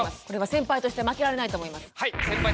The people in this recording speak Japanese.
先輩として負けられないと思います。